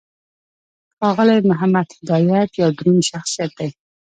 ښاغلی محمد هدایت یو دروند شخصیت دی.